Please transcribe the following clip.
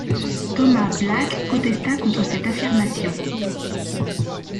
Thomas Black protesta contre cette affirmation.